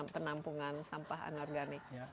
penampungan sampah anorganik